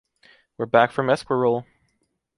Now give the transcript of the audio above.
We’re back from Esquirol.